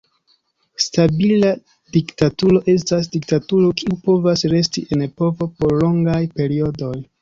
Stabila diktaturo estas diktaturo kiu povas resti en povo por longaj periodoj.